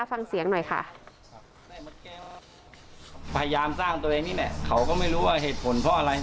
ฟังเสียงหน่อยค่ะครับพยายามสร้างตัวเองนี่แหละเขาก็ไม่รู้ว่าเหตุผลเพราะอะไร